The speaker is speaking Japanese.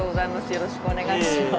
よろしくお願いします。